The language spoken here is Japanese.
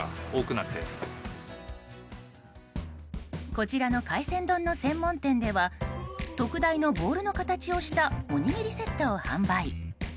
こちらの海鮮丼の専門店では特大のボールの形をしたおにぎりセットを販売。